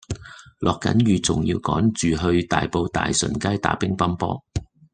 落緊雨仲要趕住去大埔大順街打乒乓波